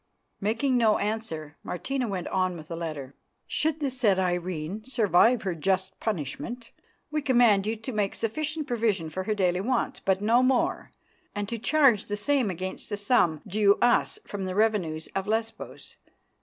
Making no answer, Martina went on with the letter "'Should the said Irene survive her just punishment, we command you to make sufficient provision for her daily wants, but no more, and to charge the same against the sum due Us from the revenues of Lesbos.